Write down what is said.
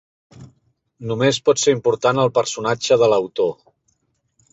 Només pot ser important el personatge de l'autor.